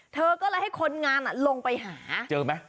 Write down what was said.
เธอก็เลยให้คนงานลงไปหาเจอไหม